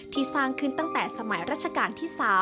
สร้างขึ้นตั้งแต่สมัยรัชกาลที่๓